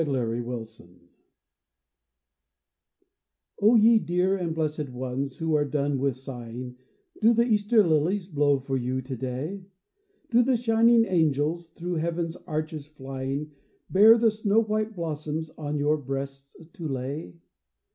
EASTER LILIES O YE dear and blessed ones who are done with sighing, Do the Easter LiUes blow for you to day ? Do the shining angels, through Heaven's arches flying. Bear the snow white blossoms on your breasts to lay